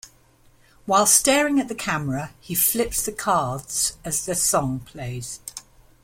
While staring at the camera, he flips the cards as the song plays.